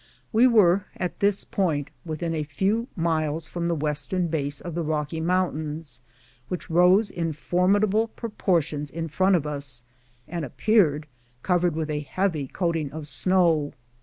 We were at this point within a few miles from the west ern base of the Eocky Mountains, which rose in formidable proportions in front of us, and appeared covered with a heavy coating of snow.